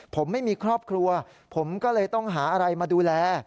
ผมไม่มีครอบครัวผมก็เลยต้องหาอะไรมาดูแล